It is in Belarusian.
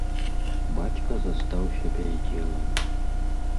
Бацька застаўся без дзела.